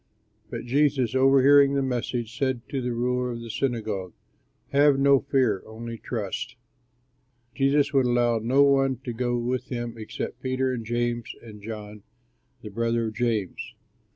But Jesus, overhearing the message, said to the ruler of the synagogue, "Have no fear, only trust." Jesus would allow no one to go with him except Peter and James and John the brother of James.